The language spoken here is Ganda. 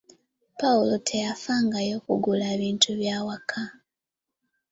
Pawulo teyafangayo kugula bintu bya waka.